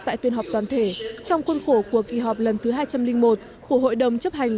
tại phiên họp toàn thể trong khuôn khổ của kỳ họp lần thứ hai trăm linh một của hội đồng chấp hành